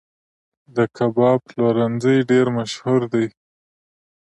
د کباب پلورنځي ډیر مشهور دي